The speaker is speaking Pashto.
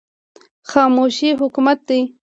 خاموشي حکمت دی